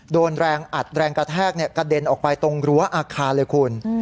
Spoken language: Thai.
โดนอัตแรงกระแทกกระเด็นออกไปตรงรั้วอักษณ์